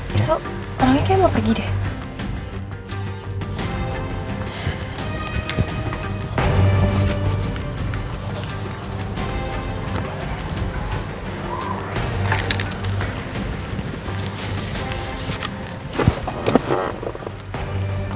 besok orangnya saya mau pergi deh